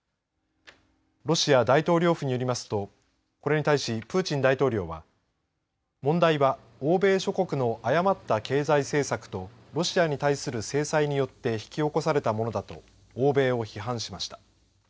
ロシア大統領府によりますとこれに対しプーチン大統領は問題は欧米諸国の誤った経済政策とロシアに対する制裁によって引き起こされたものだと欧米を批判しました。